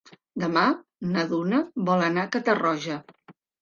Demà na Duna vol anar a Catarroja.